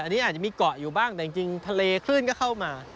อันนี้อาจจะมีเกาะอยู่บ้างแต่จริงทะเลคลื่นก็เข้ามา